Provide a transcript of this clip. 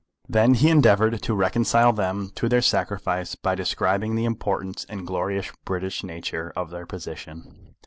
Then he endeavoured to reconcile them to their sacrifice by describing the importance and glorious British nature of their position.